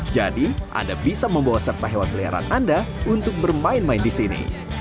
jadi anda bisa membawa serta hewan peliharaan anda untuk bermain main disini